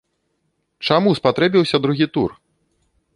Чаму спатрэбіўся другі тур?